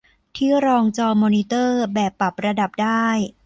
ที่รองจอมอนิเตอร์แบบปรับระดับได้